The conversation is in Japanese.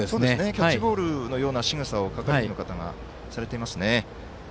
キャッチボールのようなしぐさを係員の方がされています。